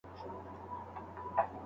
ما یو نوی لوښی جوړ کړی دی.